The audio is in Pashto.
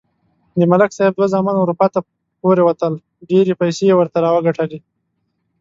د ملک صاحب دوه زامن اروپا ته پورې وتل. ډېرې پیسې یې ورته راوگټلې.